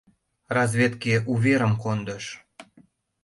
РАЗВЕДКЕ УВЕРЫМ КОНДЫШ